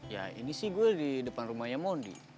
ya ini sih gue di depan rumahnya mondi